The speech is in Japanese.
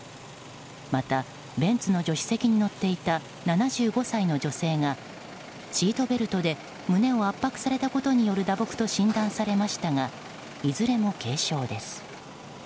またベンツの助手席に乗っていた７５歳の女性がシートベルトで胸を圧迫されたことによる打撲と診断されましたがいずれも軽傷です。